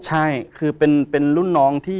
ใช่คือเป็นรุ่นน้องที่